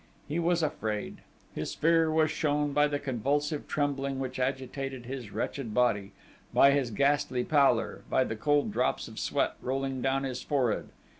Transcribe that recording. He was afraid!... His fear was shown by the convulsive trembling which agitated his wretched body, by his ghastly pallor, by the cold drops of sweat rolling down his forehead....